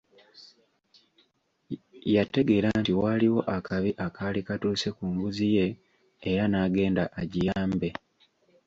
Yategeera nti waaliwo akabi akaali katuuse ku mbuzi ye era n'agende agiyambe.